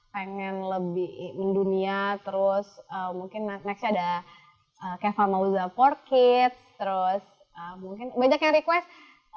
pengen lebih mendunia terus mungkin next ada kevamauza empat kids terus mungkin banyak yang request